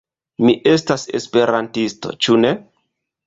Mi estas esperantisto, ĉu ne?